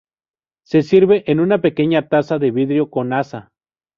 Se sirve en una pequeña taza de vidrio con asa.